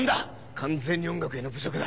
完全に音楽への侮辱だ。